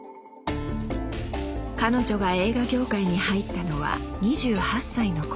彼女が映画業界に入ったのは２８歳の頃。